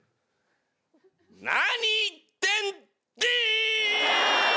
何言ってんでぃ！